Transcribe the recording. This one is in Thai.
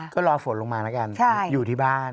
ก็รอฝนลงมาแล้วกันอยู่ที่บ้าน